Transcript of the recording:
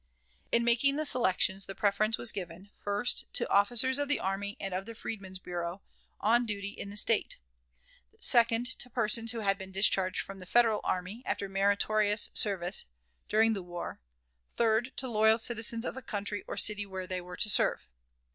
In making the selections, the preference was given, first, to officers of the army and of the Freedmen's Bureau, on duty in the State; second, to persons who had been discharged from the Federal army, after "meritorious" services during the war; third, to "loyal" citizens of the county or city where they were to serve.